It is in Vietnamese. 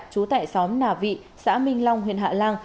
chú tại xóm nà vị xã minh long huyện hạ lăng